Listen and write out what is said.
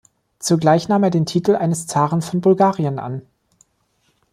Zugleich nahm er den Titel eines Zaren von Bulgarien an.